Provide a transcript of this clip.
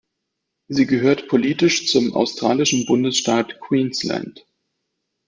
Sie gehört politisch zum australischen Bundesstaat Queensland.